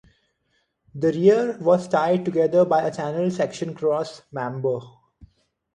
The rear was tied together by a channel-section cross member.